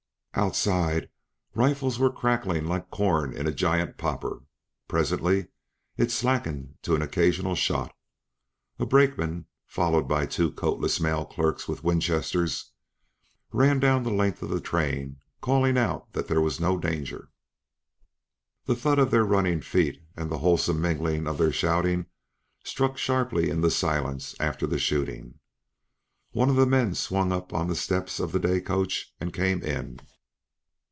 Outside, rifles were crackling like corn in a giant popper. Presently it slackened to an occasional shot. A brakeman, followed by two coatless mail clerks with Winchesters, ran down the length of the train calling out that there was no danger. The thud of their running feet, and the wholesome mingling of their shouting struck sharply in the silence after the shooting. One of the men swung up on the steps of the day coach and came in.